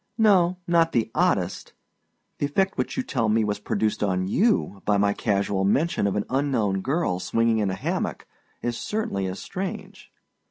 No, not the oddest. The effect which you tell me was produced on you by my casual mention of an unknown girl swinging in a hammock is certainly as strange.